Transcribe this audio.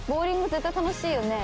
絶対楽しいよね。